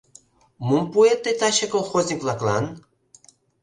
Мом пуэт тый таче колхозник-влаклан?